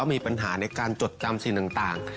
มีปัญหาในการจดจำสิ่งต่าง